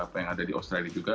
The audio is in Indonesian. apa yang ada di australia juga